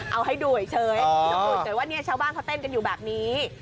เอาให้ดูเฉยว่าเนี่ยชาวบ้านเขาเต้นกันอยู่แบบนี้